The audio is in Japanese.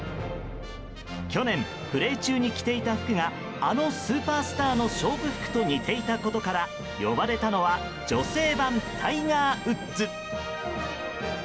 去年プレー中に着ていた服があのスーパースターが着ていた勝負服と似ていたことから呼ばれたのは女性版タイガー・ウッズ。